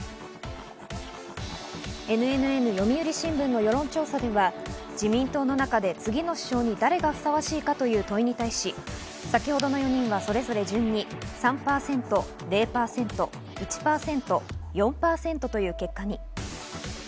ＮＮＮ・読売新聞の世論調査では、自民党の中で次の首相に誰がふさわしいかという問いに対し先程の４人はそれぞれ順に３％、０％、１％、４％という結果に。